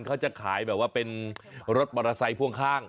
เขาจะขายแบบว่าเป็นรถมอเตอร์ไซค์พ่วงข้าง